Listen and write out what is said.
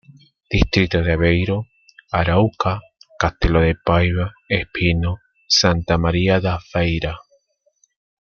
Distrito de Aveiro: Arouca, Castelo de Paiva, Espinho, Santa Maria da Feira.